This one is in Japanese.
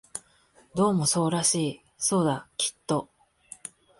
どうもそうらしい、そうだ、きっと